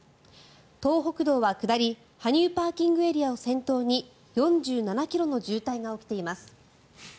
東北道は下り、羽生ＰＡを先頭に４７ｋｍの渋滞が起きています。